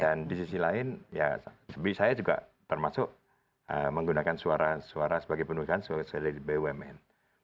dan di sisi lain saya juga termasuk menggunakan suara sebagai penugasan sebagai direktur bumn